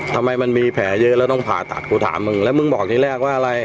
ทำไมมันมีแผลเยอะแล้วต้องผ่าตัดกูถามมึงแล้วมึงบอกที่แรกว่าอะไร